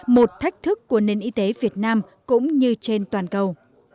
một thách thức của nền y tế việt nam cũng như trên toàn cầu